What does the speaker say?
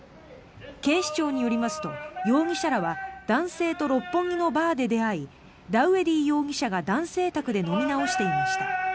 警視庁によりますと、容疑者らは男性と六本木のバーで出会いダウエディ容疑者が男性宅で飲み直していました。